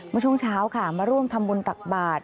มุมชุมเช้าค่ะมาร่วมทำบุญตักบาท